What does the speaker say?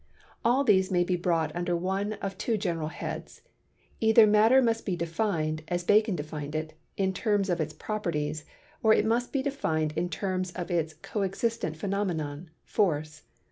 All these may be brought under one of two general heads — either matter must be defined, as Bacon defined it, in terms of its properties, or it must be defined in terms of its coexistent phenomenon — force.